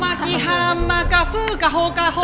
มักกี้ฮามมากะฟื้อกะโฮกะโฮ